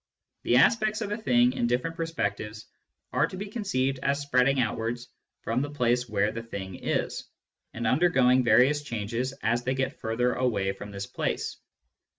The aspects of a thing in different perspectives are to be conceived as spreading outwards from the place where the thing is, and undergoing various changes as they get further away from this place.